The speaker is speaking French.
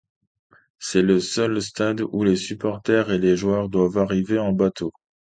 C'est le seul stade où les supporters et les joueurs doivent arriver en bateau.